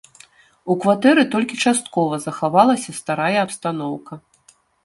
У кватэры толькі часткова захавалася старая абстаноўка.